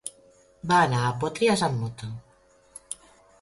Va anar a Potries amb moto.